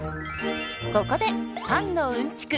ここでパンのうんちく